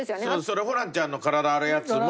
それホランちゃんの体洗うやつも。